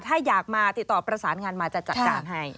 ถ้าอยากมาติดต่อประสานงานมาจะจัดการให้